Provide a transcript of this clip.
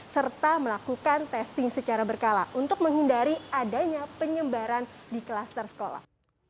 serta melakukan testing secara berkala untuk menghindari adanya penyebaran di klaster sekolah